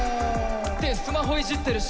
「ってスマホいじってるし！」。